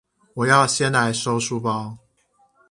我要先來收書包